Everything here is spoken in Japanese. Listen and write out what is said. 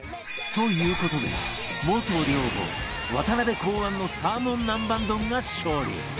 という事で元寮母渡邊考案のサーモン南蛮丼が勝利！